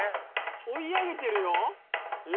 追い上げてるよ！